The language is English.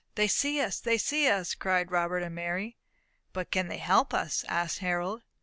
"They see us! They see us!" cried Robert and Mary. "But can they help us?" asked Harold.